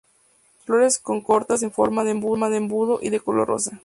Las flores con cortas en forma de embudo y de color rosa.